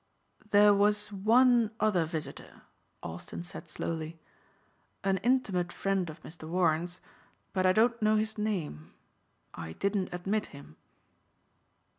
"There was one other visitor," Austin said slowly, "an intimate friend of Mr. Warren's, but I don't know his name. I didn't admit him."